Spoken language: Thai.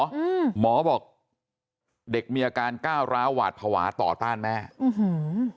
อืมหมอบอกเด็กมีอาการก้าวร้าวหวาดภาวะต่อต้านแม่อื้อหือ